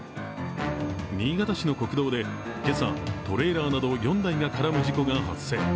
新潟市の国道でけさトレーナーなど４台が絡む事故が発生。